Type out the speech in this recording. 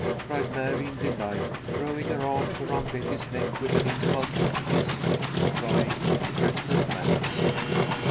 cried Mary, in delight, throwing her arms around Betty's neck with an impulsive kiss, and trying to express her thanks.